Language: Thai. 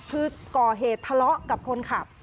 คือก่อเหตุทะเลาะกับคนขับ